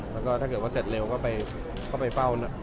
แล้วก็ถ้าเกิดว่าเสร็จเร็วก็เข้าไปเฝ้า